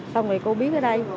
xong rồi cô biết ở đây